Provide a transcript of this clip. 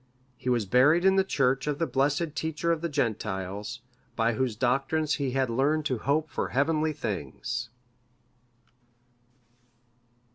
He was buried in the church of the blessed teacher of the Gentiles,(590) by whose doctrine he had learned to hope for heavenly things.